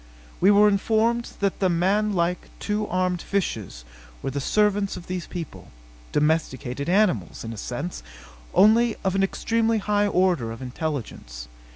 We were informed that the manlike, two armed fishes were the servants of these people domesticated animals, in a sense, only of an extremely high order of intelligence.